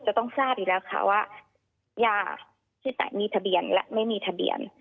จะต้องทราบอีกแล้วค่ะว่ายาที่ไหนมีทะเบียนและไม่มีทะเบียน